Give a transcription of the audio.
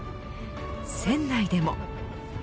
船内でも。